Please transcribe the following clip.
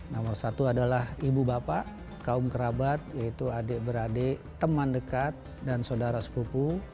nomor satu adalah ibu bapak kaum kerabat yaitu adik beradik teman dekat dan saudara sepupu